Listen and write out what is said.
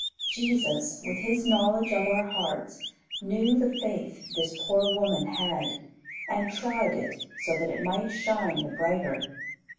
Jesus, with His knowledge of our hearts, knew the faith this poor woman had, and tried it so that it might shine the brighter.